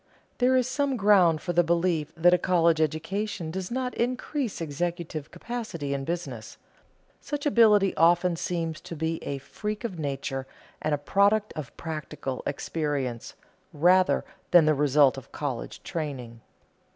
There is some ground for the belief that a college education does not increase executive capacity in business. Such ability often seems to be a freak of nature and a product of practical experience, rather than the result of college training.